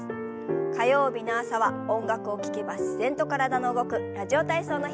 火曜日の朝は音楽を聞けば自然と体の動く「ラジオ体操」の日。